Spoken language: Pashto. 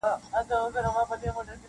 یوه ورځ به داسي راسي مدرسه به پوهنتون وي -